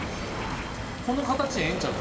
この形、ええんちゃうか？